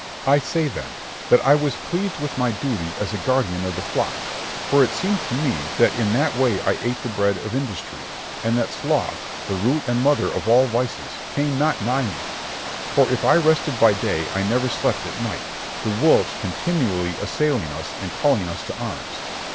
Berg. I say, then, that I was pleased with my duty as a guardian of the flock, for it seemed to me that in that way I ate the bread of industry, and that sloth, the root and mother of all vices, came not nigh me; for if I rested by day, I never slept at night, the wolves continually assailing us and calling us to arms.